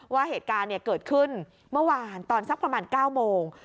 ว่าเหตุการณ์เกิดขึ้นเมื่อวานตอนสักประมาณ๙โมง